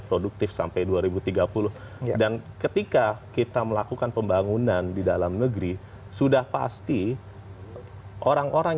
produktif sampai dua ribu tiga puluh dan ketika kita melakukan pembangunan di dalam negeri sudah pasti orang orang